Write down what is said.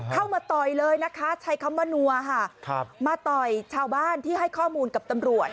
เข้ามาต่อยเลยนะคะใช้คำว่านัวค่ะมาต่อยชาวบ้านที่ให้ข้อมูลกับตำรวจ